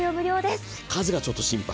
数がちょっと心配。